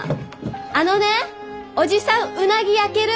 あのねおじさん鰻焼ける？